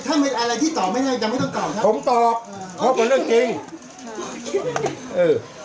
ถ้ามีอะไรที่ตอบไม่ได้จะไม่ต้องตอบครับผมตอบเพราะเป็นเรื่องจริงค่ะเออ